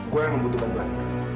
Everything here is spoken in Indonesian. gue yang membutuhkan bantuan